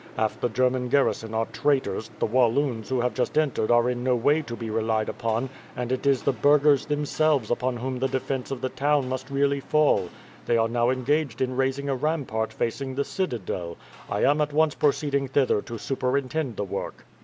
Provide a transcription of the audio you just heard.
Half the German garrison are traitors, the Walloons who have just entered are in no way to be relied upon, and it is the burghers themselves upon whom the defence of the town must really fall. They are now engaged in raising a rampart facing the citadel. I am at once proceeding thither to superintend the work."